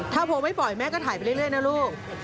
ถ้าโพลไม่ปล่อยแม่ก็ถ่ายไปเรื่อยนะลูก